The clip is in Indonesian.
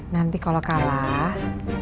nanti kalau kalah